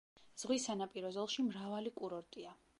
ზღვის სანაპირო ზოლში მრავალი კურორტია.